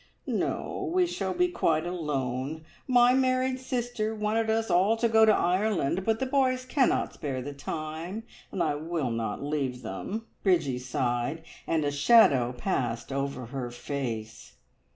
"No we shall be quite alone. My married sister wanted us all to go to Ireland, but the boys cannot spare the time, and I will not leave them." Bridgie sighed, and a shadow passed over her face.